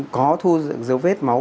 có thu dấu vết máu